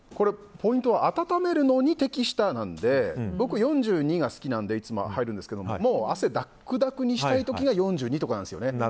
ポイントは温めるのに適したなので僕、４２が好きなのでいつも入るんですけどもう汗だくだくにしたい時が４２度なんですね。